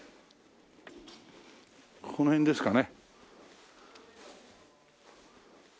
この辺ですかね？